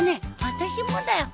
私もだよ。